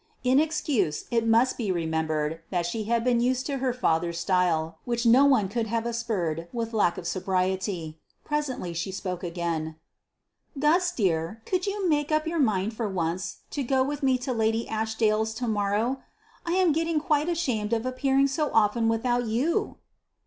In excuse it must be remembered that she had been used to her father's style, which no one could have aspersed with lack of sobriety. Presently she spoke again. "Gus, dear, couldn't you make up your mind for once to go with me to Lady Ashdaile's to morrow? I am getting quite ashamed of appearing so often without you."